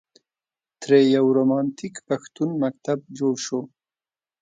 ترې یو رومانتیک پښتون مکتب جوړ شو.